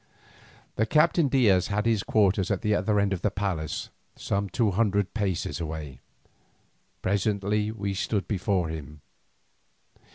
The Captain Diaz had his quarters at the other end of the palace, some two hundred paces away. Presently we stood before him.